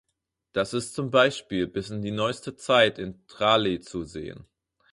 Das ist zum Beispiel bis in die neueste Zeit in Tralee zu sehen.